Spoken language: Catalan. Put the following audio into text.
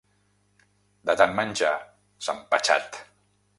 De tant menjar, s'ha empatxat!